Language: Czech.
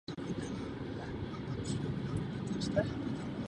Narodil se jako syn úředníka.